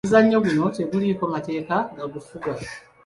Omuzannyo guno teguliiko mateeka gagufuga.